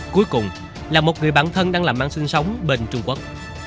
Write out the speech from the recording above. cuối cùng là một người bạn thân đang làm ăn sinh sống bên trung quốc